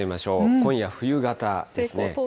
今夜、冬型ですね。